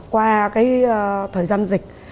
qua cái thời gian dịch